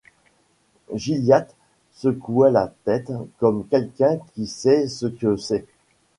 Gilliatt secoua la tête comme quelqu’un qui sait ce que c’est.